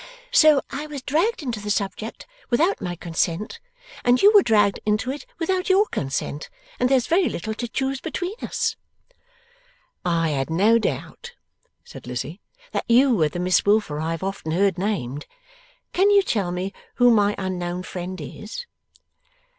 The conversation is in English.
So I was dragged into the subject without my consent, and you were dragged into it without your consent, and there is very little to choose between us.' 'I had no doubt,' said Lizzie, 'that you were the Miss Wilfer I have often heard named. Can you tell me who my unknown friend is?